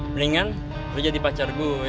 mendingan lo jadi pacar gue